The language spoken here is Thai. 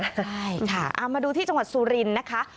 ใช่ค่ะเอามาดูที่จังหวัดสุรินทร์นะคะ